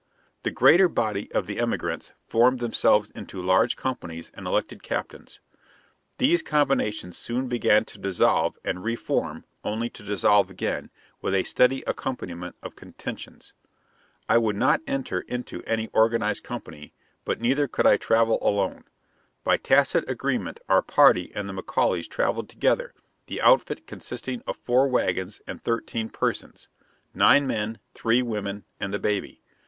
The greater body of the emigrants formed themselves into large companies and elected captains. These combinations soon began to dissolve and re form, only to dissolve again, with a steady accompaniment of contentions. I would not enter into any organized company, but neither could I travel alone. By tacit agreement our party and the McAuleys travelled together, the outfit consisting of four wagons and thirteen persons nine men, three women, and the baby.